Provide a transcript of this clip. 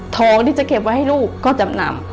ทองที่จะเก็บไว้ให้ลูกก็จำนำ